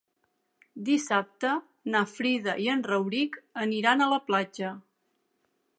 Dissabte na Frida i en Rauric aniran a la platja.